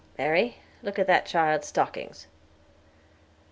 "Mary, look at that child's stockings."